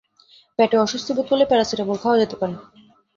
পেটে অস্বস্তি বোধ করলে প্যারাসিটামল খাওয়া যেতে পারে।